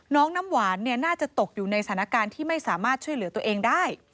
น้ำหวานน่าจะตกอยู่ในสถานการณ์ที่ไม่สามารถช่วยเหลือตัวเองได้